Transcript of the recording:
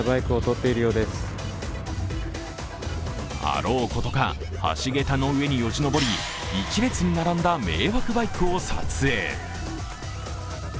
あろうことか、橋桁の上によじ登り、一列に並んだ迷惑バイクを撮影。